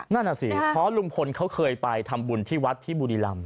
นั่นน่ะสิเพราะลุงพลเขาเคยไปทำบุญที่วัดที่บุรีรำ